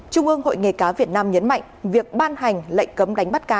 trung ương hội nghề cá việt nam nhấn mạnh việc ban hành lệnh cấm đánh bắt cá